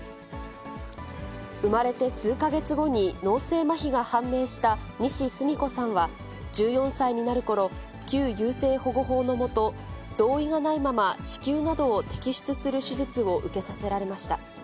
生まれて数か月後に脳性まひが判明した西スミ子さんは、１４歳になるころ、旧優生保護法の下、同意がないまま、子宮などを摘出する手術を受けさせられました。